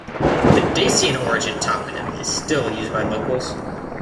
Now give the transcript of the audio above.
The Dacian-origin toponym is still used by locals.